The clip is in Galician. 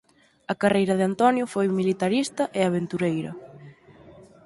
A carreira de Antonio foi militarista e aventureira.